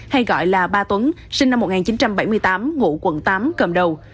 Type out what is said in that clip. hay gọi là ba tuấn sinh năm một nghìn chín trăm bảy mươi tám ngụ quận tám cầm đầu